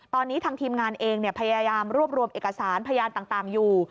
ตอนนี้ทางทีมงานเองพยายามรวบรวมเอกสารพยานต่างอยู่